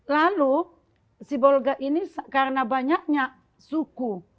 lalu sibolga ini karena banyaknya suku